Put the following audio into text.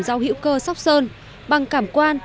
rau hữu cơ sóc sơn bằng cảm quan